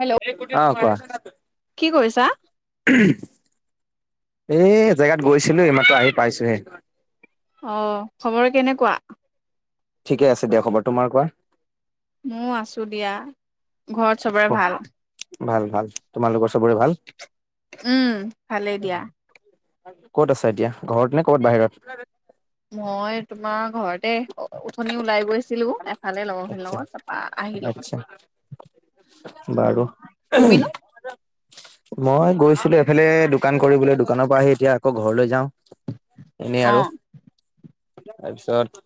Hello অ কোৱা। কি কৰিছা? এ জেগাত গৈছিলো এই মাত্ৰ আহি পাইছোহে। অ খবৰ কেনেকুৱা। ঠিকে আছে দিয়া খবৰ তোমাৰ কোৱা। ময় আছো দিয়া, ঘৰত চবৰে ভাল। ভাল ভাল তোমালোকৰ চবৰে ভাল। উম, ভালেই দিয়া। ক'ত আছা এতিয়া ঘৰত নে ক'ত বাহিৰত। মই তোমাৰ ঘৰতে। উঠি ওলাই গৈছিলো এফালে লগৰ খিনি আচ্ছা লগত তাৰপা আহিলো। আচ্ছা উম, বাৰু। তুমিনো? মই গৈছিলো এফালে দোকান কৰিবলৈ দোকানৰ পৰা আহি এতিয়া আকৌ ঘৰলৈ যাওঁ। এনেই আৰু, অ', তাৰপিছত।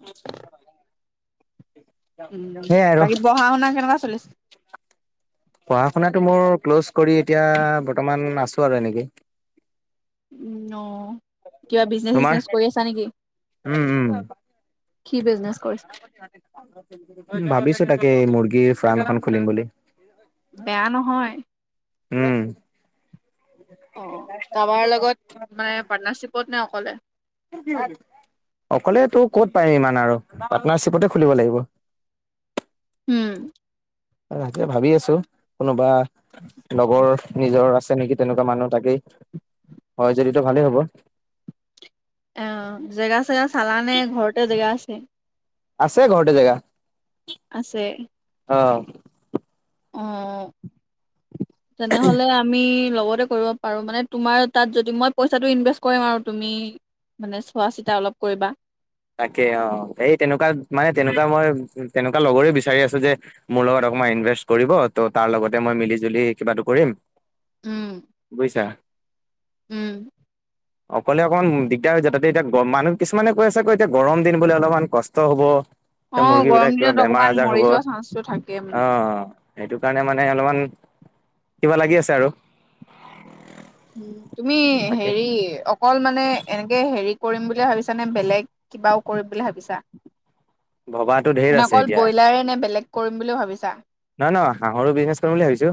উম সেইয়াই আৰু বাকী পঢ়া শুনা কেনেকুৱা চলিছে। পঢ়া শুনাটো মোৰ ক্ল'জ কৰি এতিয়া বৰ্তমান আছো আৰু এনেকে। উম অ কিবা বিজনেচ তোমাৰ চজনেচ কৰি আছা নেকি। উম উম। কি বিজনেছ। ভাবিছো তাকে মুৰ্গীৰ ফাৰ্ম এখন খুলিম বুলি। বেয়া নহয়। উম। অ কাৰাবাৰ লগত, মানে পাৰ্টনাৰশ্বিপত নে অকলে। [unintelligible] অকলে তো ক'ত পাৰিম ইমান আৰু পাৰ্টনাৰ্বিপতে খুলিব লাগিব। উম। আজা ভাবি আছো, কোনোবা লগৰ নিজৰ আছে নেকি। তেনেকুৱা মানুহ তাকেই, হয় যদিতটো ভালেই হ'ব। আহ জেগা চেগা চালানে ঘৰতে জেগা আছে। আছে ঘৰতে জেগা। আছে। অ। অ, তেনেহলে আমি। লগতে কৰিব পাৰো মানে তুমাৰ তাত যদি মই পইচাটো ইনভেষ্ট কৰিম আৰু তুমি। মানে চোৱা চিতা অলপ কৰিবা। তাকে অ সেই তেনেকুৱা মানে তেনেকুৱা মই তেনেকুৱা লগৰে বিচাৰি আছো যে মোৰ লগত। ক ইনভেষ্ট কৰিব ত' তাৰ লগতে মই মিলি জুলি কিবাটো কৰিম। উম বুইছা। উম। অকলে অকমান দিগদাৰ হৈ যাতে এতিয়া গ মানুহ কিছুমানে কৈ আছে কৈ। এয়া গৰম দিন বোলে অলপমান কষ্ট হ'ব। অ' মুৰ্গী গৰম বিলাক কিবা দিনত বেমাৰ অকমান আজাৰ মৰি হ'ব। যোৱা চান্সটো থাকে মানে। অ' সেইটো কাৰণে মানে অলপমান কিবা লাগি আছে আৰু। উম, তুমি তাকে হেৰি অকল মানে এনেকে হেৰিত কৰিম বুলি ভাবিছা নে? বেলেগ কিবাও কৰিম বুলি ভাবিছা? ভবাতো ঢেৰ মানে আছে অকল এতিয়া ব্ৰইলাৰে নে বেলেগ কৰিম বুলিও ভাবিছা? নহয়, নহয় হাঁহৰো বিজনেছ কৰিম বুলি ভাবিছো,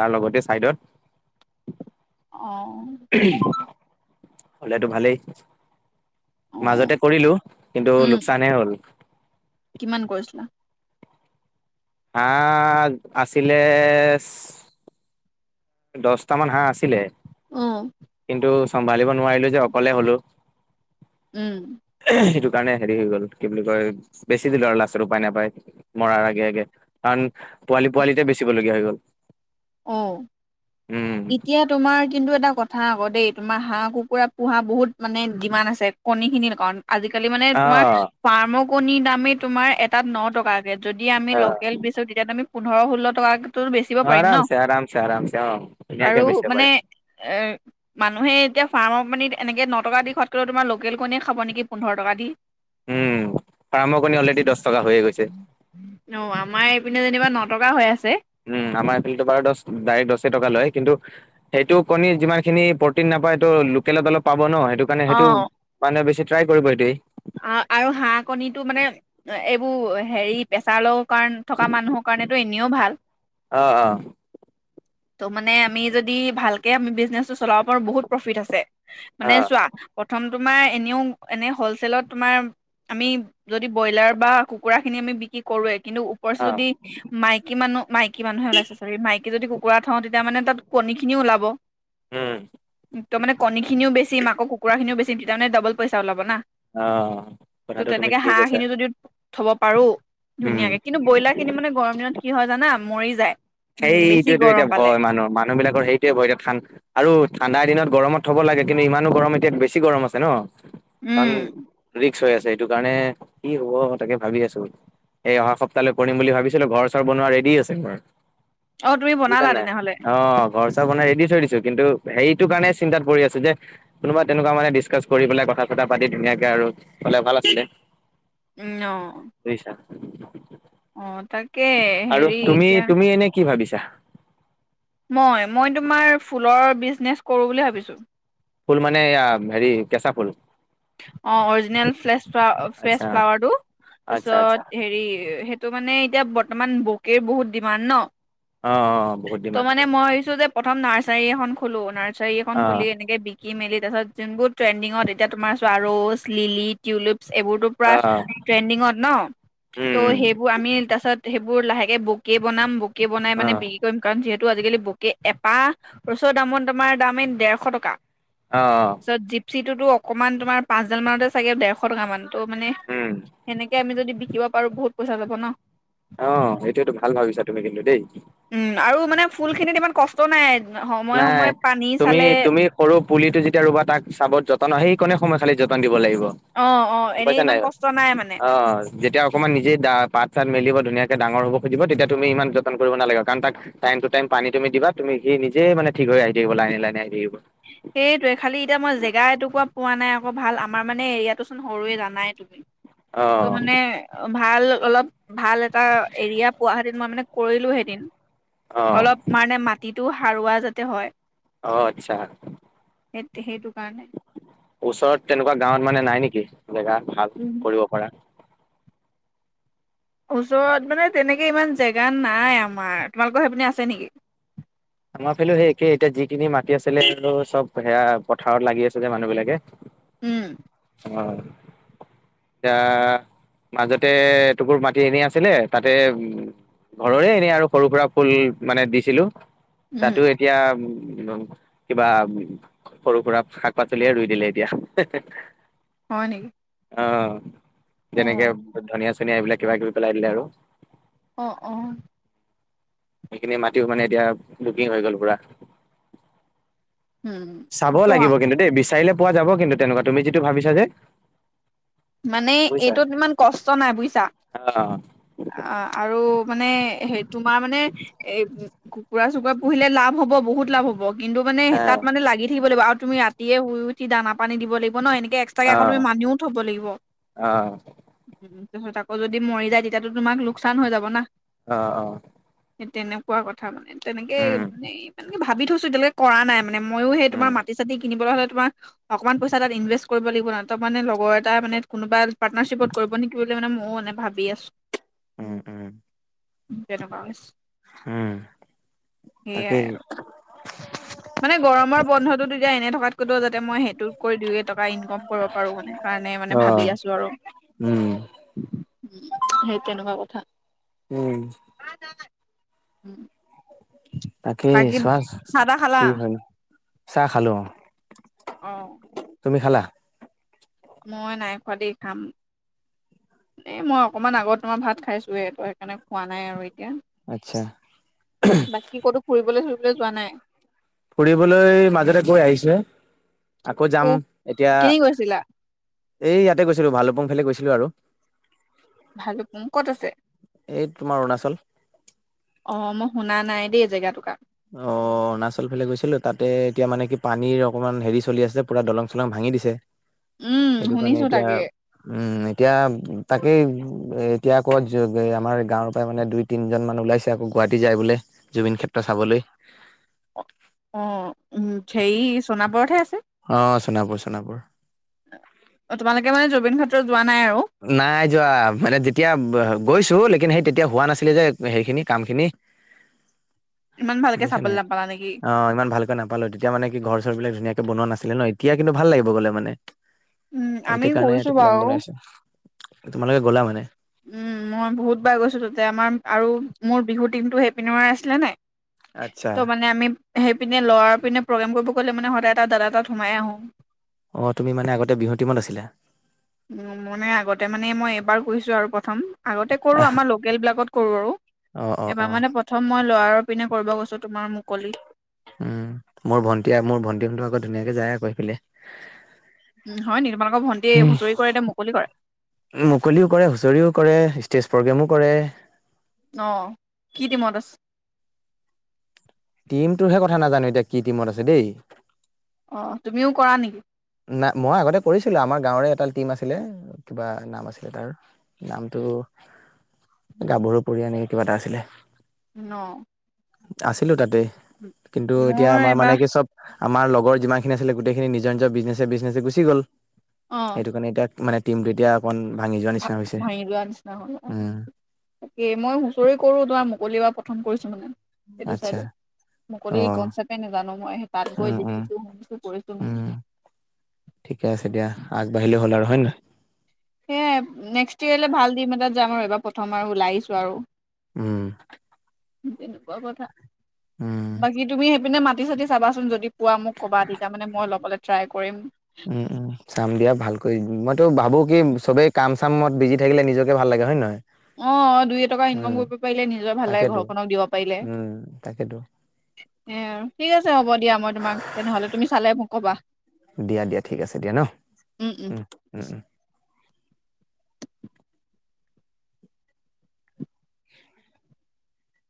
তাৰ লগতে চাইডত। আহঁ। হ'লেতটো ভালেই। অ', মাজতে কৰিলো, কিন্তু উম, লোকচানে হল। কিমান কৰিছিলা? হাহ আছিলে দহট মান হাঁহ আছিলে। অ', কিন্তু, চম্ভালিব নোৱাৰিলো যে অকলে হ'লো। উম। সেইটো কাৰণে হেৰি হৈ গ'ল। কি বুলি কয় বেছি দিলো আৰু লাষ্টত উপায়-নাপায় মৰাৰ আগে আগে। কাৰ পোৱালি-পোৱালিতে বেচিবলগীয়া হৈ গ'ল। উম অ'এতিয়া তোমাৰ কিন্তু এটা কথা আকৌ দেই। তোমাৰ হাঁহ-কুকুৰা পোহা বহুত মানে ডি মাণ্ড আছে কণী খিনিৰ কাৰণে। আজিকালি মানে অ তোমাৰ ফাৰ্ম কণিৰ দামেই তোমাৰ এটাত ন টকা। যদি আমি অ লোকেল বিচাৰো তেতিয়া তো আমি পোন্ধৰ ষোল্ল টাতো বেচিব পাৰিম ন। আৰামছে-আৰামছে অ' আৰু ধুনীয়াকে বেচিব মানে পাৰিম। এ মানুহে এতিয়া ফাৰ্মৰ কণীত এনেকৈ ন টকা দি খোৱাতক'ও তোমাৰ লোকেল কণীয়ে খাব নেকি পোন্ধৰ টকা দি। উম, ফাৰ্মৰ ক অলৰেডি দহ টকা হৈয়ে গৈছে। ন আমাৰ এইপিনে যেনিবা নটকা হৈ আছে দ কা লয় কিন্তু সেইটো কণ যিমান খিনি প্ৰ নাপায়টো ল পাব ন। সেইটো কাৰণে সেইটো মানে বেছি ট্ৰাই কৰিব এইটোৱেই। অ' আৰু হাঁহ কণীটো মানে, এইবোৰ হেৰি প্ৰেছাৰ লও কাৰ থকা মানুহৰ কাৰণেতো এনেও ভাল। অ, অ। ত' মানে আমি যদি ভালকে আমি বিজনেচটো চলাব পাৰো বহুত প্ৰফিট আছে। অ মানে চোৱা প্ৰথম তোমাৰ এনেও এনে হ'ল হোটেল ত তোমাৰ আমি যদি ব্ৰইলাৰ বা কুকুৰা খিনি আমি বিক্ৰী কৰো কিন্তু ওপৰ অ যদি মাইকী মানুহ মাইকী মানুহে ওলাইছে চৰি। মাইকী যদি কুকুৰা থওঁ তেতিয়া মানে তাত কণীখিনিও ওলাব। হম। ত'মানে কণী খিনিও বেছি মাকৰ কুকুৰা খিনি বেছিম তেতিয়া মানে দবল পইচা ওলাব। অ ত কথাটো তুমি 'তেনেকে ঠিকেই হাঁহ কৈছা খিনি যদিও থব পাৰো উম ধুনীয়াকে। কিন্তু ব্ৰইলাৰ কিনি মানে গৰম দিনত কি হয় জানা মৰি যায়। উম বেছি সেইটোৱয়েতো গৰম এতিয়া পালে ভয়। মানুহ, মানুহ বিলাকৰ সেইটয়ে ভয় এতিয়া ঠা আৰু ঠাণ্ডাৰ দিনত গৰমত থ'ব লাগে। কিন্তু ইমানো গৰম এতিয়া বেছি গৰম আছে ন, কাৰণ উম হৈ আছে এইটো কাৰণে কি হ'ব তাকে ভাবি আছো। এই অহা সপ্তাহলৈ কৰিম বুলি ভাবিছিলো, ঘৰ-চৰ বনোৱা ৰেডি আছে মাৰ। অ তুমি বুজিছা বনালা নাই তেনেহলে অ। ঘৰ-চৰ বনাই ৰেডি থৈ দিছো। কিন্তু, সেইটো কাৰণে চিন্তাত পৰি আছো যে, কোনোবা তেনেকুৱা মানে দিছকাছ কৰি পেলাই কথা-চথা পাতি ধুনীয়াকে আৰু চলে ভাল আছিলে। উম, অ। বুজিছা অ' তাকে আৰু হেৰি তুমি এতিয়া তুমি এনে কি ভাবিছা? মই, মই তোমাৰ ফুলৰ বিজনেছ কৰোঁ বুলি ভাবিছোঁ। ফুল মানে এয়া হেৰি কেঁচা ফুল? অ' অৰিজিনেল ফ্ৰেলছ ফ্ৰেছ আচ্ছা ফ্লাৱাৰটো। আচ্ছা আচ্ছা তাৰপিছত হেৰি সেইটো মানে এতিয়া বৰ্তমান বকে বহুত ডিমাণ্ড ন'। অ অ বহুত ত' ডিমাণ্ড মানে সেইটো। মই ভাবিছো যে প্ৰথম নাৰ্চাৰী এখন খুলো, নাৰ্চাৰী এখন অ খুলি এনেকে বিকি মেলি তাৰপাছত যোনবোৰ ট্ৰেণ্ডিঙত এতিয়া তোমাৰ ৰুছ, লিলি, টিউলিপ। এইবোৰতো পুৰা অ ট্ৰেংডিঙত ন উম ত' সেইবোৰ আমি তাৰ পাছত সেইবোৰ লাহেকে বকে বনাম, বকে বনাই মানে উম বি কাৰণ যিহেতু আজিকালি বকে, এপাহ ৰচৰ দামত তমাৰ দাম এই ডেৰশ টকা। অহ-অহ। চিটোতো অকণমান তোমাৰ পাঁচডাল মানতে চাগে ডেৰশ টকামান ত' মানে উম সেনেকে আমি যদি বিকিব পাৰো, বহুত পইচা যাব ন'। অ' এইটোয়েতো ভাল ভাবিছা তুমি কিন্তু দেই উম আৰু মানে ফুল খিনিত ইমান কষ্ট নাই। সময়ে নাই, সময়ে পানী তুমি চালে তুমি সৰু পুলিটো যেতিয়া ৰুবা তাক চাবত যতন আহি কমে সময় চালী যতন দিব লাগিব। অ অ গম এনেই পাইছা নাই ইমান কষ্ট নাই মানে। অ' যেতিয়া অকমান নিজে দা পাত পাত-চাত মেলিব ধুনীয়াকে ডাঙৰ হ'ব খুজিব, তেতিয়া তুমি ইমান যতন কৰিব নালাগে। কাৰণ তাত টইম টু টাইম পানী তুমি দিবা, তুমি নিজে মানে ঠিক হৈ আহি থাকিব, লাহে-লাহে আহি থাকিব। সেইটোয়ে খালি এতিয়া মই, জেগা এটুকুৱা পোৱা নাই। আক ভাল আমাৰ মানে এৰিয়াটো চোন সৰুৱে জানাই তুমি। অ ত' মানে ভাল অলপ ভাল এটা এৰিয়া পোৱা হেতিন মই মানে কৰিলো হেতেন। অ অলপ মানে মাটিতো সাৰুৱা যাতে হয়। অ'-আচ্ছা। সে সেইটো। কাৰণে ওচৰত তেনেকুৱা গাঁৱত মানে নাই নেকি? জেগা ভাল কৰিব পৰা। ওচৰত মানে তেনেকে ইমান জেগা নাই আমাৰ, তোমালোকৰ সেইপিনে আছে নেকি? আমাৰ ফালেও সেই একে এতিয়া যিখিনি মাটি আছিলে, চব সেয়া পথাৰত লাগি আছে যে মানুহ বিলাকে। উম'। অ'। এতিয়া মাজতে এটুকোৰ মাটি এনে আছিলে তাতে উম' ঘৰৰে এনেই আৰু সৰু-সুৰা ফুল মানে দিছিলো উম তাতো এতিয়া উ কিবা সৰু-সুৰা, শাক-পাচলিয়ে ৰুই দিলে এতিয়া হয় নেকি? অ' অ যেনেকে ধনিয়া-চনিয়া এইবিলাক কিবা কিবি পেলাই দিলে আৰু অ', -অ'। সেইখিনি মাতিও মানে এতিয়া বুকিং হৈ গ'ল পুৰা। উম চাব ত লাগিব কিন্তু দেই বিচাৰিলে পোৱা যাব কিন্তু তেনেকুৱা তুমি যিটো ভাবিছা যে মানে বুজিছা এইটোত ইমান কষ্ট নাই বুইছা? অ অ'আৰু মানে হে তোমাৰ মানে এ কুকুৰা-চুকুৰা পুহিলে লাভ হ'ব, বহুত লাভ হ'ব। কিন্তু মানে অ তাত মানে লাগি থাকিব লাগিব আৰু- তুমি ৰাতিয়ে শুই উঠি দানা-পানী দিব লাগিব ন'? এনেকে এক্সটাকে অ আকৌ তুমি মানুহো থ'ব লাগিব। অ'। তাৰপিছত আকৌ যদি মৰি যায়, তেতিয়াতো তোমাক লোকচান হৈ যাব না! অ', অ'। সেই তেনেকুৱা কথা মানে, তেনেকে উম মানে মানে কি ভাবি থৈছো, এতিয়ালৈকে কৰা নাই মানে! মানে ময়ো সেই উম তোমাৰ মাটি-চাতি কিনিবলৈ হ'লে তোমাৰ, অকনমান পইচা তাত ইনভেষ্ট কৰিব লাগিব ন'? তাৰমানে লগৰ টা মানে কোনোবা পাৰ্টনাৰশ্বিপত কৰিব নেকি বুলি মানে, ময়ো এনে ভাবি আছো। উম, উম। [unintelligible] উম। সেয়াই তাকেই। মানে গৰমৰ বন্ধতো তেতিয়া এনে থকাতকৈতো যাতে মই সেইটোত কৰি দুই, এটকা ইনকম কৰিব পাৰো মানে! কাৰণ মানে অ ভাবি আছো আৰু! উম। সেই তেনেকুৱা কথা। উম। উম। তাকেই চোৱা, তাহ খালা কি হয়! চাহ খালো অ'। অ'। মই নাই খোৱা দেই, খাম। এই মই অকমান আগত তোমাৰ ভাত খাইছোৱে। ত' সেইকাৰণে খোৱা নাই আৰু য়া। আচ্ছা বাকী ক'তো ফুৰিবলৈ-চুৰিবলৈ যোৱা নাই? ফুৰিবলৈ মাজতে গৈ আহিছোহে। আকৌ ক যাম। এতিয়া, কেনি গৈছিলা এই ইয়াতে গৈছিলো ভালুকপুং ফালে গৈছিলো আৰু! ভালুকপুং ক'ত আছে? এই তোমাৰ অৰুণাচল অ' মই শুনা নাই নাই দেই জেগা টুকা অ' অৰুণাচল ফালে গৈছিলো। তাতে এতিয়া মানে কি পানীৰ অকমান হেৰি চলি আছে যে, পুৰা দলং-চলং ভাঙি দিছে। উম সেইটোকাৰণে শুনিছো এতিয়া, তাকে উম। এতিয়া তাকেই, এতিয়া আকৌ আমাৰ গাঁৱৰ পৰাই মানে দুই-তিনিজন মান ওলাইছে আকৌ‌। গুৱাহাটী যায় বোলে, জুবিনক্ষেত্ৰ চাবলৈ অ' উ হেৰি সোনাপুৰতহে আছে। সোনাপুৰ সোনাপুৰ। অ' তোমালোকে মানে জুবিনক্ষেত্ৰ। নাই যোৱা। মানে যেতিয়া গৈছো কিন্তু সেই তেতিয়া হোৱা নাছিলে যে, সেইখিনি কামখিনি ইমান ভালকে বুইছা চাবলৈ নাই। নাপালা নেকি? অ' ইমান ভালকে নাপালো। তেতিয়া মানে কি ঘৰ-চৰবিলাক ধুনীয়াকে বনোৱা নাছিল! এতিয়া কিন্তু ভাল লাগিব গ'লে মানে। উম, সেইটো আমি কাৰণে গৈছো এইটো প্লেন বাৰু। বনাইছো। তোমালোকে গ'লা মানে? উম, মই বহুত বাৰ গৈছো, তাতে আমাৰ আৰু মোৰ বিহুৰ টিমটো সেইপিনৰে আছিলে নাই! আচ্ছা ত' মানে আমি সেইপিনে লোৱাৰপিনে প্ৰগ্ৰেম কৰিব গ'লে মানে সদায় এটা দাদা তাত সোমায়ে আহো। অ তুমি মানে আগতে বিহু টিমত আছিলা উম মানে আগতে মানে মই এবাৰ ফুৰিছোঁ আৰু প্ৰথম। আগতে কৰোঁ, আমাৰ লোকেলবিলাকত কৰোঁ আৰু! অ অ অ এবাৰ মানে প্ৰথম মই লোৱাৰত পিনে কৰিব গৈছো তোমাৰ মুকলি উম, মোৰ ভন্টি মোৰ ভন্টি কিন্তু আকৌ ধুনীয়াকে যায় আৰু সেইফালে! উম হয় নি? তোমালোকৰ ভণ্টিয়ে হুঁচৰি কৰে, এতিয়া মুকলি কৰে? মুকলিও কৰে, হুঁচৰিও কৰে, ষ্টেজ প্ৰগ্ৰেমো কৰে। অ' কি টীমত আছে? টিমটোৰহে কথা নাজানো এতিয়া কি টিমত আছে দেই। অ তুমিও কৰা নিকি? নাই মই আগতে কৰিছিলো আমাৰ গাঁৱৰে এটা টিম আছিলে কিবা নাম আছিলে তেওৰ তাৰ নামটো। গাভৰু পৰি এনেকে কিবা এটা আছিলে। ন আছিলো তাতে কিন্তু এতিয়া মোৰ আমাৰ মানে এবাৰ কি চব আমাৰ লগৰ যিমানখিনি আছিলে গোটেইখিনি নিজৰ নিজৰ বিজনেছে বিজনেছে গুচি গ'ল অ'। সেইটো কাৰণে এতিয়া মানে টিমটো এতিয়া অকণ ভা ভাঙি যোৱা নিচিনা হল উম, তাকেই মই হুঁচৰি কৰো তোমাৰ মুকলি এবাৰ প্ৰথম কৰিছো মানে। সেইটো চাই আচ্ছা দে মুকলি অ', কনচেপটে নেযানো মই সেই তাত গৈ উম, উম, দেখিছো শুনিছো কৰিছো মানে। উম। ঠিকে আছে দিয়া আগবাঢ়িলে হ'ল আৰু হয় নে নহয়। সেয়ে নেক্সট ইয়েলৈ ভাল টিম এটাত যাম আৰু এইবাৰ প্ৰথম আৰু ওলাই আহিছো আৰু। উম। তেনেকুৱা কথা উম। বাকী তুমি সেইপিনে মাত মাটি-চাতি চাবাচোন যদি পোৱা মোক ক'বা। তেতিয়া মানে মই ল'বলৈ ট্ৰাই কৰিম। উম, উম, চাম দিয়া ভালকৈ মইতো ভাবো কি চবেই কাম-চাম মত বিজি থাকিলে নিজকে ভাল লাগে হয় নে নহয়? অ' দুই এটকা ইনকাম উম, কৰিব পাৰিলে নিজৰ ভাল লাগে তাকেতো ঘৰখনক দিব পাৰিলে। এ' উম, তাকেতো আৰু ঠিক আছে হ'ব দিয়া, মই তোমাক তেনেহ'লে তুমি চালে কবা। দিয়া, দিয়া ঠিক আছে দিয়া ন? উম, উম, উম। [unintelligible]